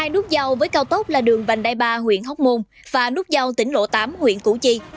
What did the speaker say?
hai nút giao với cao tốc là đường vành đai ba huyện hóc môn và nút giao tỉnh lộ tám huyện củ chi